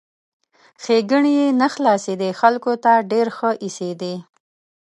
ښېګڼې یې نه خلاصېدې ، خلکو ته ډېر ښه ایسېدی!